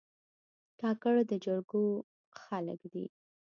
کاکړ د جرګو خلک دي.